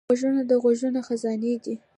غوږونه د غږونو خزانې دي